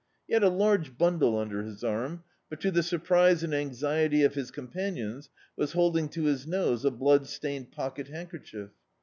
He had a large bundle under his arm, but to the surprise and anxiety of his con pani(»is, was holding to his nose a blood stuned pocket handkerchief.